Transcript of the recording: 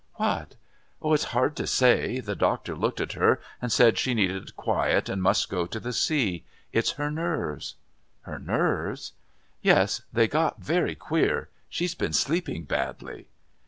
"What ?" "It's hard to say. The doctor looked at her and said she needed quiet and must go to the sea. It's her nerves." "Her nerves?" "Yes, they got very queer. She's been sleeping badly."